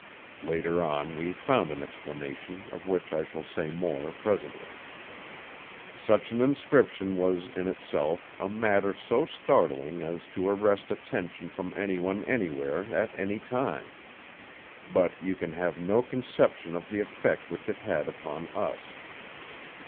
Later on we found an explanation, of which I shall say more presently. "Such an inscription was in itself a matter so startling as to arrest attention from anyone anywhere at any time; but you can have no conception of the effect which it had upon us.